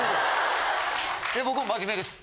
僕も真面目です。